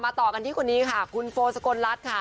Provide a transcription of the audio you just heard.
ต่อกันที่คนนี้ค่ะคุณโฟสกลรัฐค่ะ